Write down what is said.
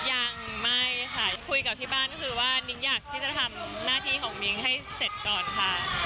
ยังไม่ค่ะคุยกับที่บ้านก็คือว่านิ้งอยากที่จะทำหน้าที่ของนิ้งให้เสร็จก่อนค่ะ